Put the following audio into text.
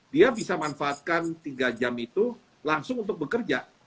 dia bisa manfaatkan tiga jam itu langsung untuk bekerja